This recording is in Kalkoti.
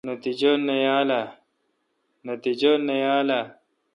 نتیجہ نہ یال۔